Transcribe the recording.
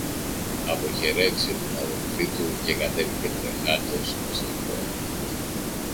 Αποχαιρέτησε την αδελφή του και κατέβηκε τρεχάτος στη χώρα.